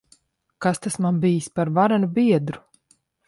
Kas tas man bijis par varenu biedru!